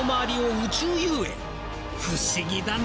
不思議だね！